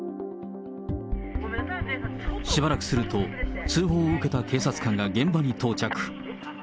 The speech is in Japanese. しばらくすると、通報を受けた警察官が現場に到着。